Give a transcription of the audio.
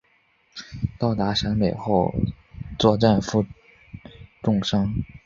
到达陕北后作战负重伤。